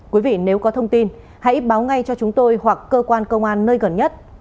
quý vị nếu có thông tin hãy báo ngay cho chúng tôi hoặc cơ quan công an nơi gần nhất